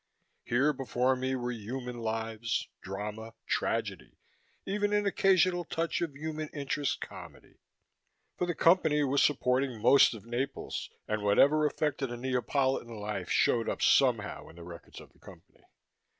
Here before me were human lives, drama, tragedy, even an occasional touch of human interest comedy. For the Company was supporting most of Naples and whatever affected a Neapolitan life showed up somehow in the records of the Company.